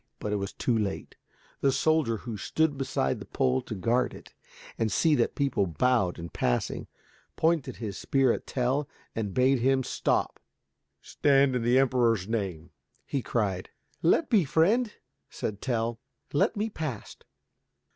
But it was too late. The soldier, who stood beside the pole to guard it and see that people bowed in passing, pointed his spear at Tell and bade him stop. "Stand, in the Emperor's name," he cried. "Let be, friend," said Tell, "let me past."